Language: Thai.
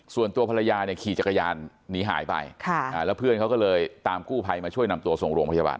ส่วนตัวภรรยาเนี่ยขี่จักรยานหนีหายไปแล้วเพื่อนเขาก็เลยตามกู้ภัยมาช่วยนำตัวส่งโรงพยาบาล